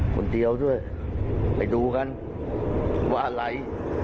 คนเดียวด้วยไปดูกันว่าอะไร